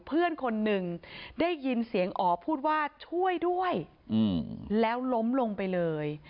เพื่อนคนหนึ่งได้ยินเสียงอ๋อพูดว่าช่วยด้วยแล้วล้มลงไปเลย